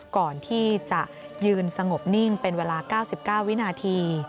ก่อนที่จะยืนสงบนิ่งเป็นเวลา๙๙วินาที